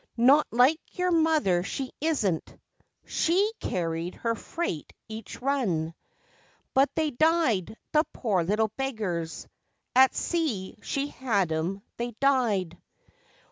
Not like your mother, she isn't. She carried her freight each run. But they died, the pore little beggars! At sea she had 'em they died.